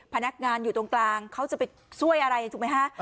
พนักงานอยู่ตรงกลางเขาจะไปช่วยอะไรถูกไหมฮะ